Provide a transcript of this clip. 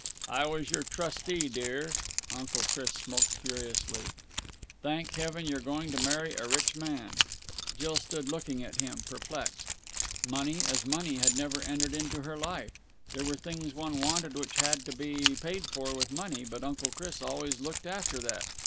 "I was your trustee, dear." Uncle Chris smoked furiously. "Thank heaven you're going to marry a rich man!" Jill stood looking at him, perplexed. Money, as money, had never entered into her life. There were things one wanted which had to be paid for with money, but Uncle Chris had always looked after that.